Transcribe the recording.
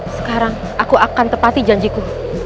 sekarang aku akan tepati janjiku